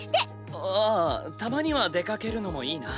ああたまには出かけるのもいいな。